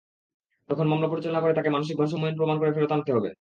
তখন মামলা পরিচালনা করে তাঁকে মানসিক ভারসাম্যহীন প্রমাণ করে ফেরত আনতে হবে।